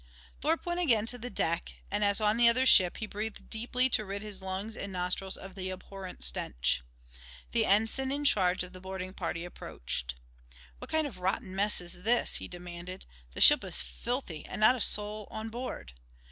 Thorpe went again to the deck, and, as on the other ship, he breathed deeply to rid his lungs and nostrils of the abhorrent stench. The ensign in charge of the boarding party approached. "What kind of a rotten mess is this?" he demanded. "The ship is filthy and not a soul on board.